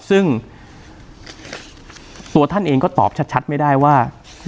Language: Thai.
ซึ่งตัวท่านเองก็ตอบชัดไม่ได้ว่า